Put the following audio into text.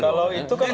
kalau itu kan